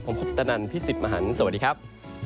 ผมคุปตนันพี่สิทธิ์มหันฯสวัสดีครับ